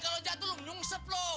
kalau jatuh lo nyungsep lo